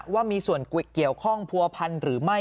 ว่ามีส่วนเกี่ยวข้องผัวพันธ์หรือไม่